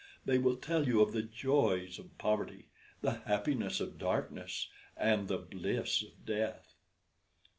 They will tell you of the joys of poverty, the happiness of darkness, and the bliss of death."